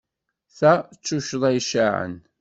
Ta d tuccḍa icaɛen.